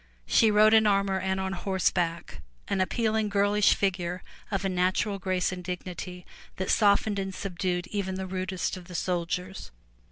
She rode in armor and on horse back, an appealing girlish figure of a natural grace and dignity that softened and subdued even the rudest of the soldiers.